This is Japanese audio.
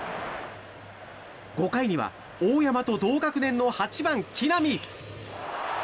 ５回には大山と同学年の８番、木浪。